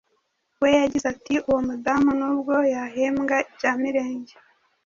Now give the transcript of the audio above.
we yagize ati “Uwo mudamu nubwo yahembwa ibya mirenge,